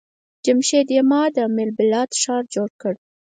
جمشيد يما د ام البلاد ښار جوړ کړ.